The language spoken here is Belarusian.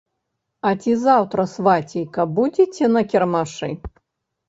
А ці заўтра, свацейка, будзеце на кірмашы?